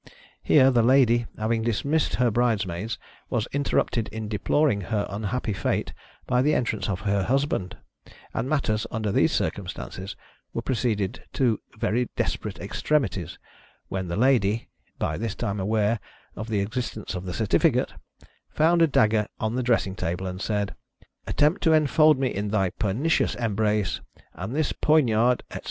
Here the Ladye, having dismissed her bridesmaids, was interrupted in deploring her unhappy fate, by the entrance of her husband; and matters, under these circumstances, were proceeding to very desperate ex tremities, when the Ladye (by this time aware of the exist ence of the certificate) found a dagger on the dressing table, and said, " Attempt to enfold me in thy pernicious embrace, and this poignard —!"